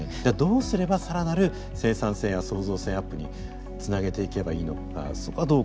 じゃあどうすれば更なる生産性や創造性アップにつなげていけばいいのか